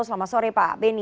selamat sore pak beni